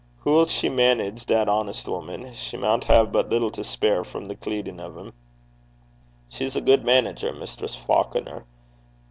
'Hoo 'ill she manage that, honest woman? She maun hae but little to spare frae the cleedin' o' 'm.' 'She's a gude manager, Mistress Faukner.